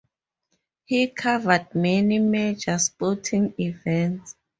He covered many major sporting events.